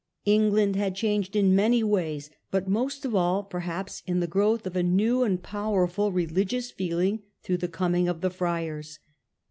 England had changed in many ways, changes in but most of all perhaps in the growth of a K^KWah life, new and powerful religious feeling through the coming of the Friars.